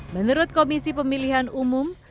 menurut komisi pemilihan umum